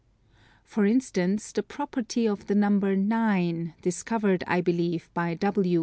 For instance, the property of the number 9, discovered, I believe, by W.